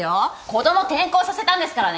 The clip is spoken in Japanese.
子供転校させたんですからね。